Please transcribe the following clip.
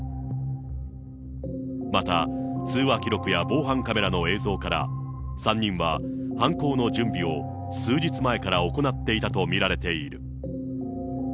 また、通話記録や防犯カメラの映像から、３人は犯行の準備を数日前から行っていたと見られている。